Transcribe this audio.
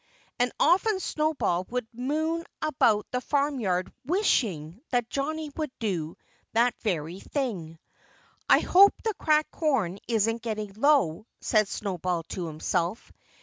And often Snowball would moon about the farmyard wishing that Johnnie would do that very thing. "I hope the cracked corn isn't getting low," said Snowball to himself.